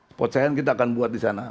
spot science kita akan buat disana